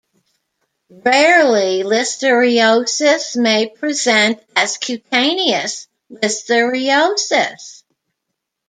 Rarely listeriosis may present as cutaneous listeriosis.